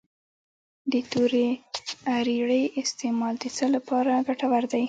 د تورې اریړې استعمال د څه لپاره ګټور دی؟